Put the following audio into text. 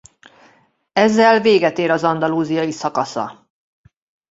Ezzel véget ér az Andalúziai szakasza.